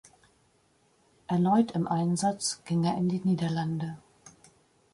Erneut im Einsatz ging er in die Niederlande.